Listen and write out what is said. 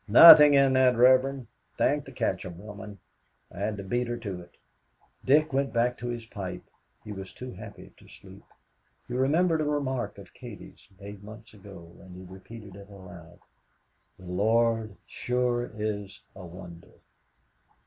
"Nothing in that, Reverend. Thank the Katcham woman. I had to beat her to it." Dick went back to his pipe. He was too happy to sleep. He remembered a remark of Katie's, made months ago, and he repeated it aloud, "The Lord sure is a wonder!"